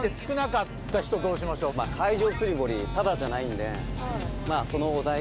海上釣り堀タダじゃないんでまぁその。